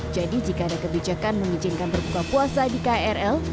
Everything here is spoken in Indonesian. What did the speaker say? jadi jika ada kebijakan mengizinkan berbuka puasa di krl